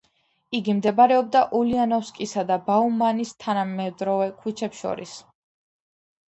იგი მდებარეობდა ულიანოვსკისა და ბაუმანის თანამედროვე ქუჩებს შორის.